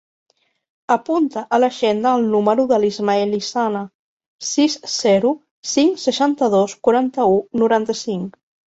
Apunta a l'agenda el número de l'Ismael Lizana: sis, zero, cinc, seixanta-dos, quaranta-u, noranta-cinc.